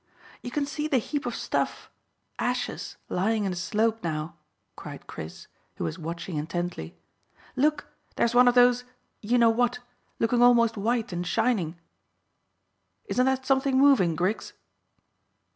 "You can see the heap of stuff ashes, lying in a slope now," cried Chris, who was watching intently. "Look, there's one of those you know what looking almost white and shining. Isn't that something moving, Griggs?"